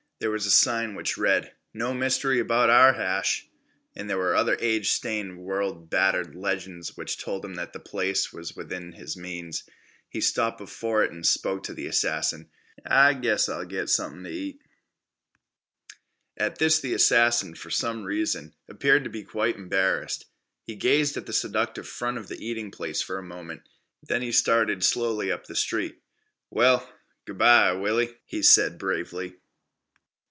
There was a sign which read "No mystery about our hash"! and there were other age stained and world battered legends which told him that the place was within his means. He stopped before it and spoke to the assassin. "I guess I'll git somethin' t' eat." At this the assassin, for some reason, appeared to be quite embarrassed. He gazed at the seductive front of the eating place for a moment. Then he started slowly up the street. "Well, good bye, Willie," he said bravely.